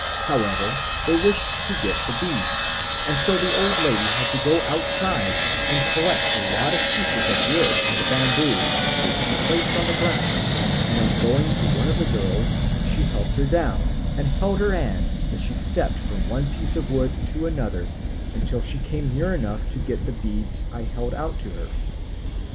However, they wished to get the beads, and so the old lady had to go outside and collect a lot of pieces of wood and bamboo, which she placed on the ground, and then going to one of the girls, she helped her down and held her hand as she stepped from one piece of wood to another until she came near enough to get the beads I held out to her.